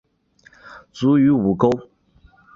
卒于午沟。